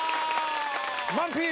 マンピー！